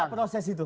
ada gak proses itu